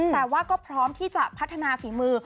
แต่ว่าก็พร้อมที่จะพัฒนาฝีมือ